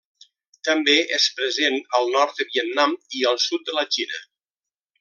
També és present al nord del Vietnam i al sud de la Xina.